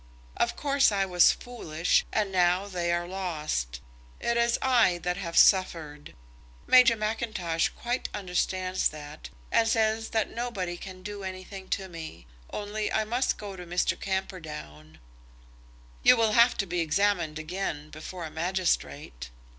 Of course I was foolish, and now they are lost. It is I that have suffered. Major Mackintosh quite understands that, and says that nobody can do anything to me; only I must go to Mr. Camperdown." "You will have to be examined again before a magistrate."